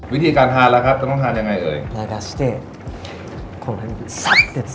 วิธีการทานล่ะครับจะต้องทานยังไงเอ๋ย